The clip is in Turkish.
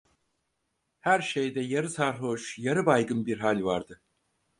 Her şeyde yarı sarhoş, yarı baygın bir hal vardı.